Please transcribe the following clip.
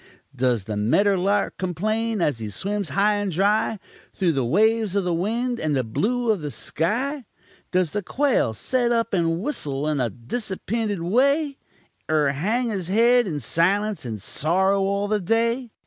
Does the medder lark complane, as he swims high and dry Through the waves of the wind and the blue of the sky? Does the quail set up and whissel in a disappinted way, Er hang his head in silunce, and sorrow all the day?